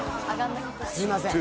すいません。